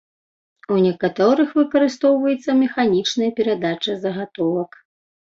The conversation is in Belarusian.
У некаторых выкарыстоўваецца механічная перадача загатовак.